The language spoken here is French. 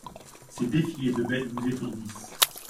Ces défilés de bêtes vous étourdissent.